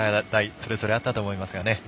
それぞれあったと思います。。